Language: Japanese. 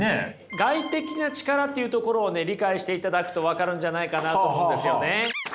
外的な力っていうところを理解していただくと分かるんじゃないかなと思うんですよね。